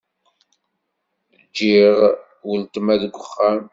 Ǧgiɣ uletma deg uxxam.